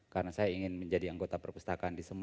karena saya ingin menjadi anggota perpustakaan di semua